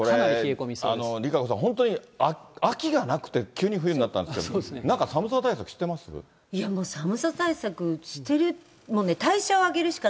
これ、ＲＩＫＡＣＯさん、本当に秋がなくて、急に冬になったんですけど、いやもう、寒さ対策してる、体のね。